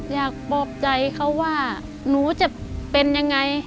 อยากปลอบใจเขาว่าหนูจะเป็นยังไง